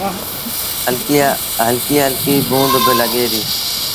هلڪيٚ هلڪي بوند با لڳي پئيٚ